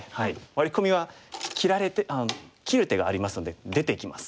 ワリコミは切られてああ切る手がありますので出てきます。